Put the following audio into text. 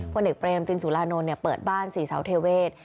ผลเอกเปรมตินสุรานนท์เปิดบ้านศรีเสาเทเวศ